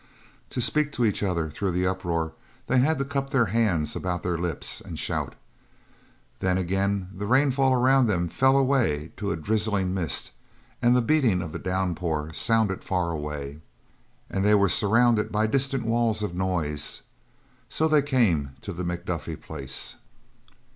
To speak to each other through the uproar, they had to cup their hands about their lips and shout. Then again the rainfall around them fell away to a drizzling mist and the beating of the downpour sounded far away, and they were surrounded by distant walls of noise. So they came to the McDuffy place.